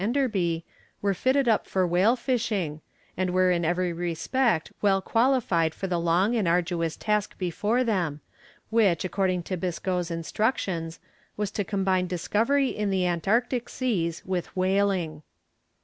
Enderby, were fitted up for whale fishing, and were in every respect well qualified for the long and arduous task before them, which, according to Biscoe's instructions, was to combine discovery in the Antarctic seas with whaling.